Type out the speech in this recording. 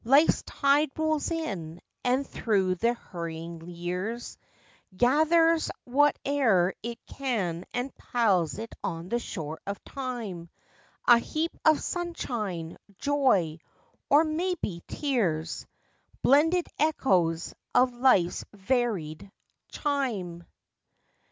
Life's tide rolls in. And through the hurrying years Gathers whate'er it can and piles it on the shore of time, A heap of sunshine, joy or maybe tears, Blended echoes of life's varied chime.